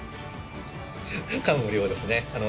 感無量ですね。